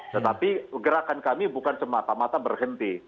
tetapi gerakan kami bukan semata mata berhenti